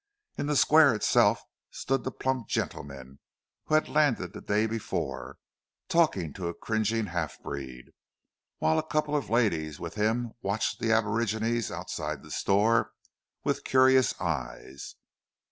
In the Square itself stood the plump gentleman who had landed the day before, talking to a cringing half breed, whilst a couple of ladies with him watched the aborigines outside the store with curious eyes.